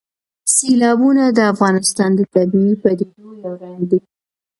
سیلابونه د افغانستان د طبیعي پدیدو یو رنګ دی.